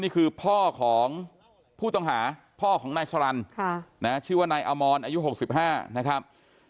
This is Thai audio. นี่คือพ่อของผู้ต้องหาพ่อของนายสลันชื่อว่านายอมรอายุ๖๕นะครับ